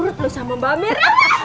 nurut lo sama mbak mir